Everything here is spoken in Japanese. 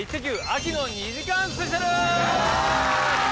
秋の２時間スペシャル！